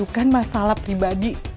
untuk senyuman bang